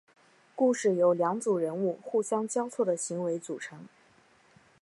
故事由两组人物互相交错的行为组成。